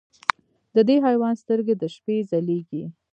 د دې حیوان سترګې د شپې ځلېږي.